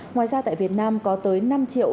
ngoài ra tại việt nam có tới năm triệu